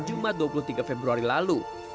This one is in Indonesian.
jumat dua puluh tiga februari lalu